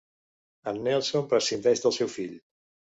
En Nelson prescindeix del seu fill.